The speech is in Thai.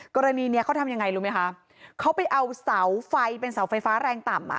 กรณีนี้เขาทำยังไงรู้ไหมคะเขาไปเอาเสาไฟเป็นเสาไฟฟ้าแรงต่ำอ่ะ